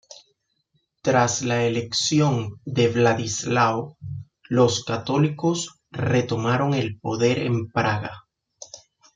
Tras la elección de Vladislao, los católicos retomaron el poder en Praga.